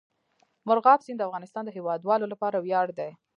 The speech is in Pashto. مورغاب سیند د افغانستان د هیوادوالو لپاره ویاړ دی.